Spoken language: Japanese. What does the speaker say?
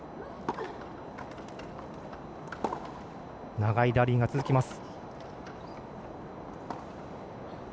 長いラリーが続きます。